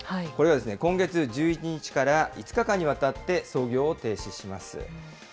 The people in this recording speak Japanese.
これは今月１１日から５日間にわたって操業を停止します。